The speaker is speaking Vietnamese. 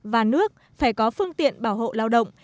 và nước phải có phương tiện bảo hộ lao động